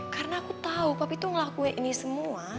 karena aku tau papi tuh ngelakuin ini semua